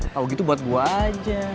tau gitu buat gue aja